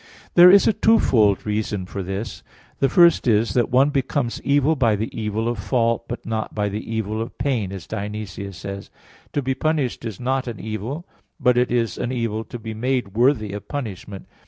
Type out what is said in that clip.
There is a twofold reason for this. The first is that one becomes evil by the evil of fault, but not by the evil of pain, as Dionysius says (Div. Nom. iv): "To be punished is not an evil; but it is an evil to be made worthy of punishment."